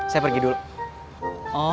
saya pergi dulu